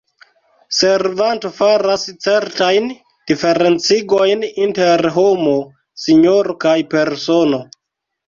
Servanto faras certajn diferencigojn inter « homo »,« sinjoro » kaj « persono ».